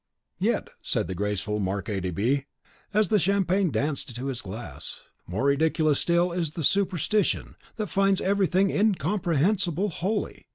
"Yet," said the graceful Marquis de , as the champagne danced to his glass, "more ridiculous still is the superstition that finds everything incomprehensible holy!